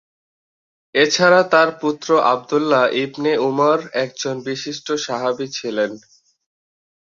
এছাড়া তাঁর পুত্র আব্দুল্লাহ ইবনে উমার একজন বিশিষ্ট সাহাবী ছিলেন।